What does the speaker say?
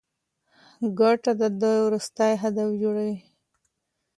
ګټه د دوی وروستی هدف جوړوي